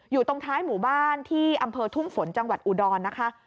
อยู่ตรงท้ายหมู่บ้านที่อำเภอทุ่งฝนจังหวัดอุดรนะคะ